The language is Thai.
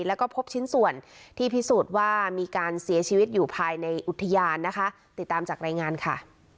แล้วก็พบชิ้นส่วนที่พิสูจน์ว่ามีการเสียชีวิตอยู่ภายในอุทิยานนะคะ